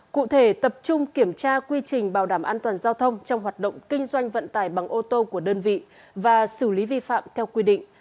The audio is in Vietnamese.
cụ thể tập trung kiểm tra quy trình bảo đảm an toàn giao thông trong hoạt động kinh doanh vận tải bằng ô tô của đơn vị và xử lý vi phạm theo quy định